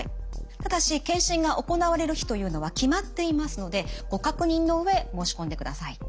ただし検診が行われる日というのは決まっていますのでご確認の上申し込んでください。